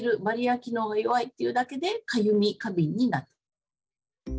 バリア機能が弱いっていうだけでかゆみ過敏になる。